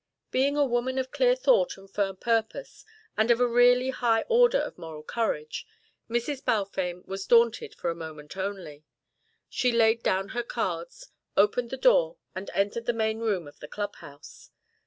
Being a woman of clear thought and firm purpose, and of a really high order of moral courage, Mrs. Balfame was daunted for a moment only. She laid down her cards, opened the door and entered the main room of the club house.